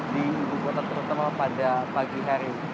di ibu kota terutama pada pagi hari